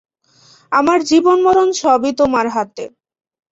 আমার জীবন-মরণ সবই তোমার হাতে।